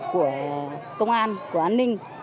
của công an của an ninh